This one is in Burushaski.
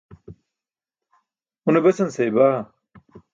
Une besan seybaa?